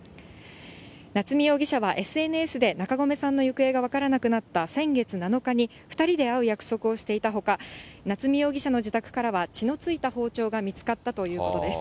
夏見容疑者は、ＳＮＳで中込さんの行方が分からなくなった先月７日に、２人で会う約束をしていたほか、夏見容疑者の自宅からは血の付いた包丁が見つかったということです。